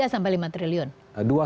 tiga sampai lima triliun